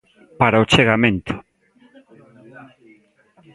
Para o achegamento.